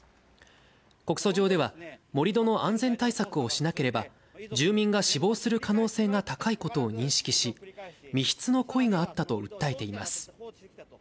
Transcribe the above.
告訴状では、盛り土の安全対策をしなければ、住民が死亡する可能性が高いことを認識し、未必の故意があったと訴えています。